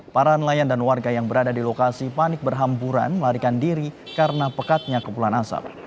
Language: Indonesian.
para nelayan dan warga yang berada di lokasi panik berhamburan melarikan diri karena pekatnya kepulan asap